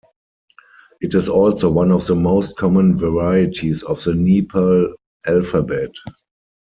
It is also one of the most common varieties of the Nepal alphabet.